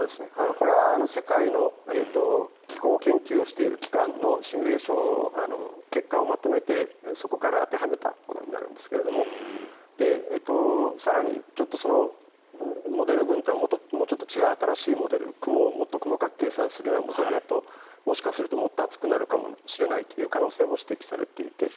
これは世界の気候研究をしている機関のシミュレーションの結果をまとめてそこから当てはめたものになるんですけども更に、そのモデル群とはもうちょっと違う新しいモデル雲をもっと細かく計算するようなモデルだともしかするともっと暑くなるかもしれない可能性も指摘されていて